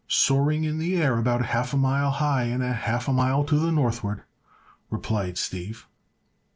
"Soaring in the air about half a mile high and a half mile to the northward," replied Steve.